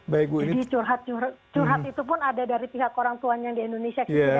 jadi curhat curhat itu pun ada dari tingkat orang tuanya di indonesia